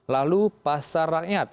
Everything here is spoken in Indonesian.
lalu pasar rakyat